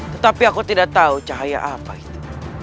tetapi aku tidak tahu cahaya apa itu